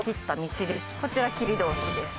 こちら切通しです。